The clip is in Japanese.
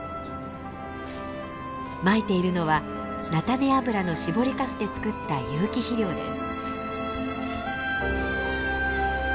まいているのは菜種油の搾りかすで作った有機肥料です。